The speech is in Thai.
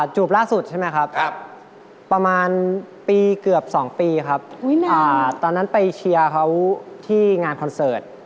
จูบล่าสุดใช่ไหมครับประมาณปีเกือบ๒ปีครับตอนนั้นไปเชียร์เขาที่งานคอนเสิร์ต